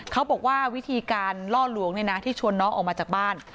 เขาบอกว่าวิธีการล่อหลวงที่ชวนน้องออกมาจากบ้าน